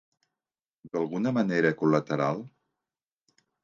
D'alguna manera col·lateral?